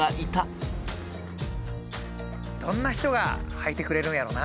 どんな人がはいてくれるんやろうな。